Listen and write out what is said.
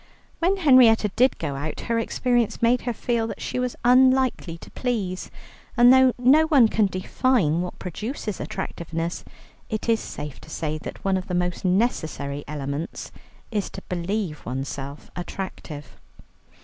When Henrietta did go out, her experience made her feel that she was unlikely to please; and though no one can define what produces attractiveness, it is safe to say that one of the most necessary elements is to believe oneself attractive.